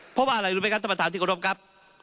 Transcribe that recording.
เพราะว่าอะไรรู้ไหมครับท่านประธานที่กรบครับ